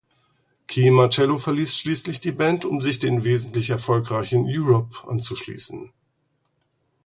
Kee Marcello verließ schließlich die Band um sich den wesentlich erfolgreicheren Europe anzuschließen.